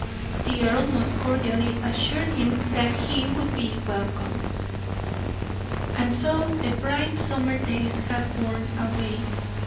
The earl most cordially assured him that he would be welcome. And so the bright summer days had worn away.